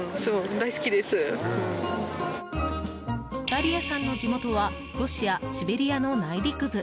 ダリアさんの地元はロシア・シベリアの内陸部。